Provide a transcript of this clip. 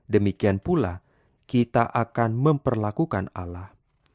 demikian pula kita akan memperlakukan allah